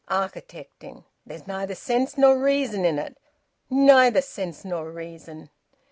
"Architecting! There's neither sense nor reason in it! Neither sense nor reason!"